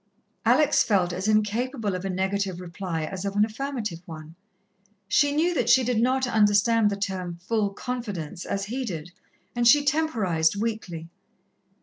Alex felt as incapable of a negative reply as of an affirmative one. She knew that she did not understand the term "full confidence" as he did, and she temporized weakly.